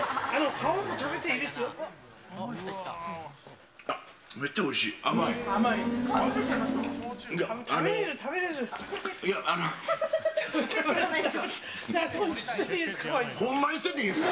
皮も食べていいですよ。